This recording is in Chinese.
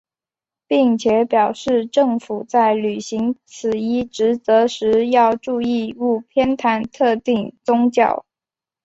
并且表示政府在履行此一职责时要注意勿偏袒特定宗教。